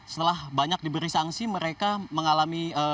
setelah banyak diberi sanksi mereka mengalami